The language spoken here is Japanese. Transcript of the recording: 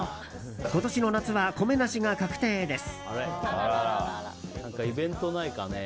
今年の夏は米なしが確定です。